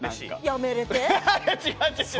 辞めれて？